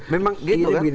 memang gitu kan